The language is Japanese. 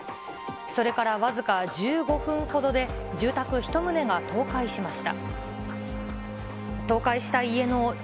それから僅か１５分ほどで、住宅１棟が倒壊しました。